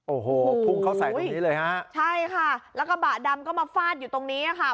โอ้โหพุ่งเข้าใส่ตรงนี้เลยฮะใช่ค่ะแล้วกระบะดำก็มาฟาดอยู่ตรงนี้ค่ะ